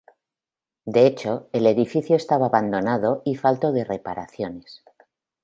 De hecho, el edificio estaba abandonado y falto de reparaciones.